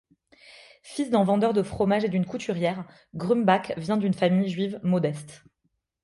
Fils d'un vendeur de fromage et d'une couturière, Grumbach vient d'une famille juive modeste.